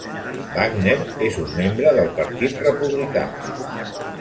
Wagner és un membre del Partit Republicà.